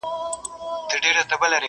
ټول لګښت دي درکومه نه وېرېږم،